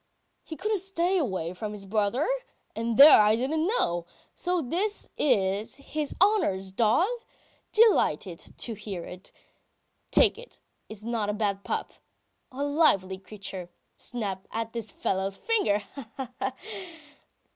... He couldn't stay away from his brother. ... And there I didn't know! So this is his honour's dog? Delighted to hear it. ... Take it. It's not a bad pup. ... A lively creature. ... Snapped at this fellow's finger! Ha ha ha.